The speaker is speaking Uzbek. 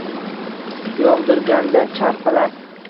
Yog’dirganda charx-falak